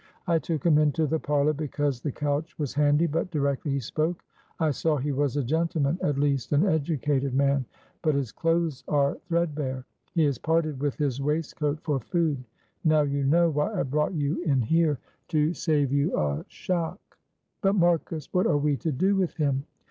I took him into the parlour because the couch was handy, but directly he spoke I saw he was a gentleman at least an educated man, but his clothes are threadbare. He has parted with his waistcoat for food. Now you know why I brought you in here, to save you a shock." "But, Marcus, what are we to do with him?"